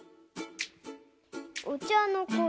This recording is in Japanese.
お茶の子